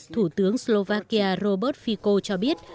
thủ tướng slovakia robert fico cho biết